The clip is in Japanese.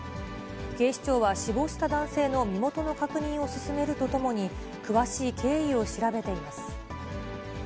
警視庁は死亡した男性の身元の確認を進めるとともに、詳しい経緯を調べています。